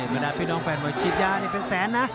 ประดาทพี่น้องแฟนว่าวิทยานี่เป็นแสนนะ